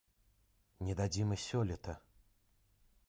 Не дадзім і сёлета.